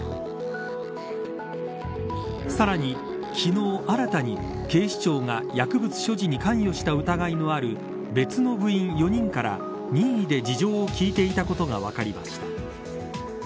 さらに、昨日新たに警視庁が薬物所持に関与した疑いのある別の部員４人から任意で事情を聞いていたことが分かりました。